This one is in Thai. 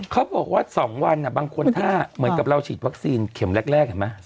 เขาบอกว่า๒วันบางคนถ้าเหมือนกับเราฉีดวัคซีนเข็มแรกเห็นไหม